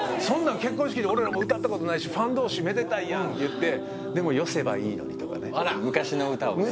結婚式で俺らも歌ったことないしファン同士めでたいやんって言ってでも「よせばいいのに」とかね昔の歌をね